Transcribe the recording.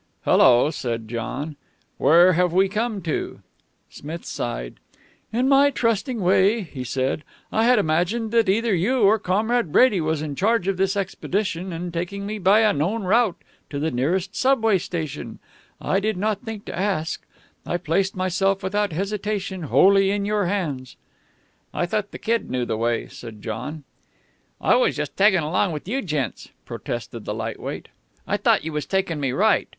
"Hello!" said John. "Where have we come to?" Smith sighed. "In my trusting way," he said, "I had imagined that either you or Comrade Brady was in charge of this expedition and taking me by a known route to the nearest subway station. I did not think to ask. I placed myself, without hesitation, wholly in your hands." "I thought the Kid knew the way," said John. "I was just taggin' along with you gents," protested the light weight. "I thought you was taking me right.